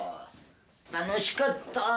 楽しかった。